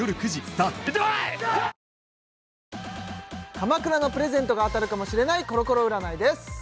鎌倉のプレゼントが当たるかもしれないコロコロ占いです